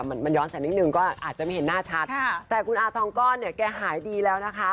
มันมันย้อนแสนนิดนึงก็อาจจะไม่เห็นหน้าชัดแต่คุณอาทองก้อนเนี่ยแกหายดีแล้วนะคะ